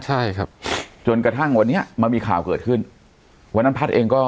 ใช่ครับจนกระทั่งวันนี้มันมีข่าวเกิดขึ้นวันนั้นพัฒน์เองก็